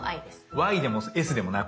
「Ｙ」でも「Ｓ」でもなく。